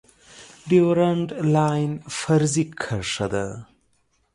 ډیورنډ لاین فرضي کرښه ده